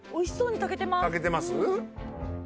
炊けてます？